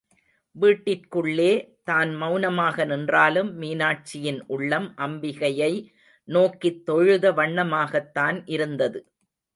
வீட்டிற்குள்ளே, தான் மெளனமாக நின்றாலும் மீனாட்சியின் உள்ளம் அம்பிகையை நோக்கித் தொழுத வண்ணமாகத்தான் இருந்தது.